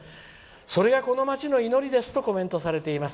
それが、この街の祈りですとコメントされています。